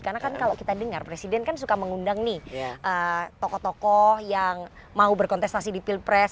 karena kan kalau kita dengar presiden kan suka mengundang nih tokoh tokoh yang mau berkontestasi di pilpres